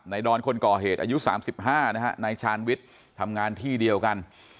ดอนคนก่อเหตุอายุ๓๕นะฮะนายชาญวิทย์ทำงานที่เดียวกัน